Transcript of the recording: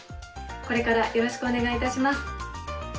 これからよろしくお願いいたします。